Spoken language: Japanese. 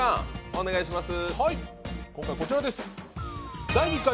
お願いします。